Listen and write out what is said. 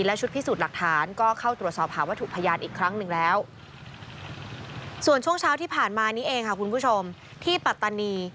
และชุดพิสูจน์หลักฐานก็เข้าตรวจสอบหาวัตถุพยานอีกครั้งหนึ่งแล้วส่วนช่วงเช้าที่ผ่านมานี้เองค่ะคุณผู้ชมที่ปัตตานี